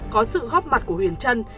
có sự góp mặt của huyền trân